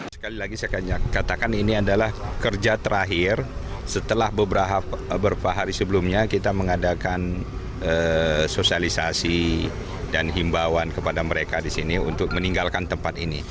sekali lagi saya katakan ini adalah kerja terakhir setelah beberapa hari sebelumnya kita mengadakan sosialisasi dan himbawan kepada mereka di sini untuk meninggalkan tempat ini